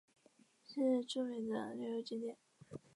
是著名的旅游景点。